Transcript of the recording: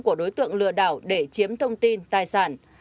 của đối tượng lừa đảo để chiếm thông tin tài sản